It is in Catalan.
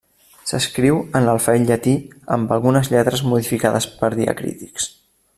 S'escriu en l'alfabet llatí amb algunes lletres modificades per diacrítics.